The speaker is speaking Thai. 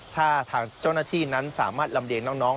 ถ้าทางเจ้าหน้าที่นั้นสามารถลำเลียงน้อง